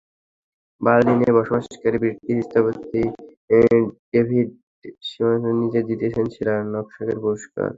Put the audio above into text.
বার্লিনে বসবাসকারী ব্রিটিশ স্থপতি David Chipperfield জিতে নিয়েছেন সেরা নকশাকারের পুরস্কার।